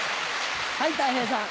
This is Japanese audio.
はいたい平さん。